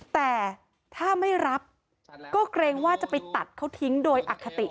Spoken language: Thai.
แต่ถ้าไม่รับก็เกรงว่าจะไปตัดเขาทิ้งโดยอคติ